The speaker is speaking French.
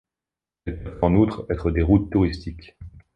Elles peuvent en outre être des routes touristiques.